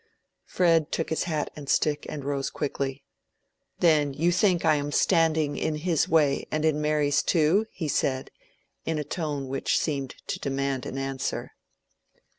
Fred took his hat and stick and rose quickly. "Then you think I am standing in his way, and in Mary's too?" he said, in a tone which seemed to demand an answer.